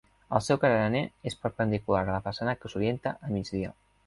El seu carener és perpendicular a la façana que s'orienta a migdia.